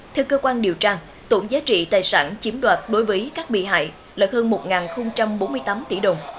theo cơ quan điều tra tổng giá trị tài sản chiếm đoạt đối với các bị hại là hơn một bốn mươi tám tỷ đồng